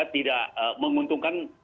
tidak menguntungkan keadaan